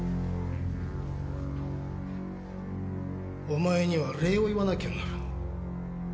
お前には礼を言わなきゃならん。